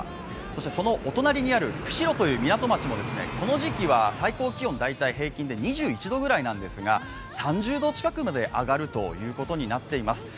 そして、そのお隣にある釧路という港町もこの時期は最高気温大体平均で２１度くらいなんですが３０度近くまで上がるということになっています。